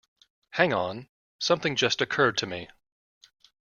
Hang on! Something just occurred to me.